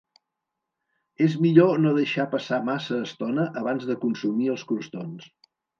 És millor no deixar passar massa estona abans de consumir els crostons.